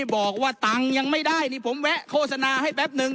บอกว่าตังค์ยังไม่ได้นี่ผมแวะโฆษณาให้แป๊บนึง